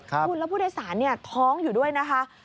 คุณแล้วผู้โดยสารท้องอยู่ด้วยนะคะ